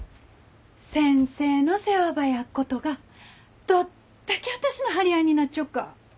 先生の世話ば焼っことがどっだけあたしの張り合いになっちょっか。